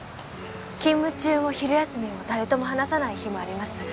勤務中も昼休みも誰とも話さない日もあります。